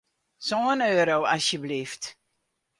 Sân euro, asjeblyft.